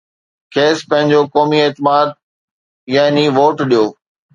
کيس پنهنجو قومي اعتماد يعني ووٽ ڏيو